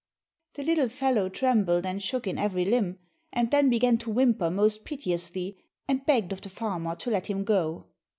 The little fellow trembled and shook in every limb, and then began to whimper most piteously, and begged of the farmer to let him go.